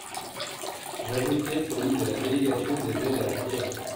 J’ajouterai celui de la délégation des aides à la pierre.